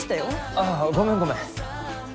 あっごめんごめん。